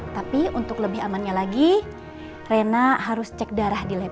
tapi untuk lebih amannya lagi rena harus cek darah di lab